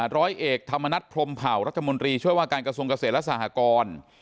ร้อยเอกธรรมนัฐพรมเผารัฐมนตรีช่วยว่าการกระทรวงเกษตรและสหกร